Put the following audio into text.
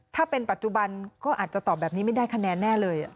ถ้าเป็นปัจจุบันก็อาจจะตอบแบบนี้ไม่ได้คะแนนแน่เลย